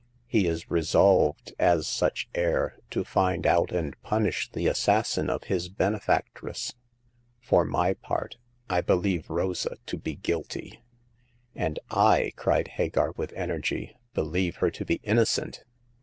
^He is resolved, as such heir, to find out and punish the assassin of his benefactress. For my part, I believe Rosa to be guilty." " And I," cried Hagar, with energy, *' believe her to be innocent